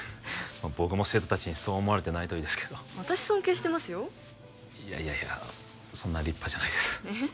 僕も生徒達にそう思われてないといいですけど私尊敬してますよいやいやいやそんな立派じゃないですえっ？